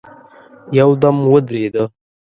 يودم ودرېده.